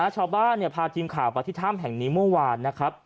ชาวบ้านพาทีมข่าวไปที่ถ้ำแห่งนี้เมื่อวานนะครับ